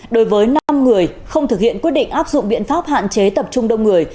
đối với năm người không thực hiện quyết định áp dụng biện pháp hạn chế tập trung đông người